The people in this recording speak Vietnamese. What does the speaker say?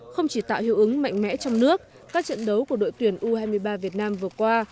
không chỉ tạo hiệu ứng mạnh mẽ trong nước các trận đấu của đội tuyển u hai mươi ba việt nam vừa qua